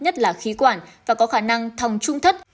nhất là khí quản và có khả năng thòng trung thất